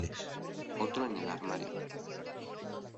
Otro en el armario.